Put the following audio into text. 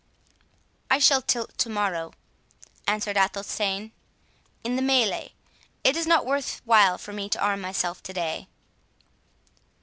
"I shall tilt to morrow" answered Athelstane, "in the 'melee'; it is not worth while for me to arm myself to day."